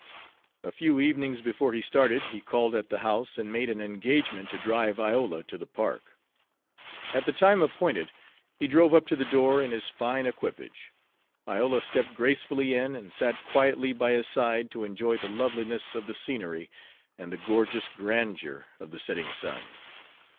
A few evenings before he started he called at the house, and made an engagement to drive Iola to the park. At the time appointed he drove up to the door in his fine equipage. Iola stepped gracefully in and sat quietly by his side to enjoy the loveliness of the scenery and the gorgeous grandeur of the setting sun.